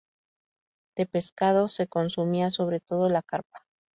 De pescado se consumía sobre todo la carpa.